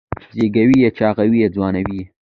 زېږوي یې چاغوي یې ځوانوي یې